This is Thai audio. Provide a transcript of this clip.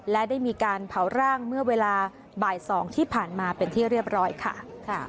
และได้มีการเผาร่างเมื่อเวลาบ่าย๒ที่ผ่านมาเป็นที่เรียบร้อยค่ะ